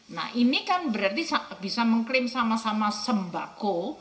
nah ini kan berarti bisa mengklaim sama sama sembako